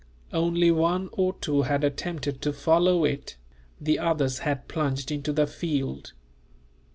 Only one or two had attempted to follow it, the others had plunged into the field.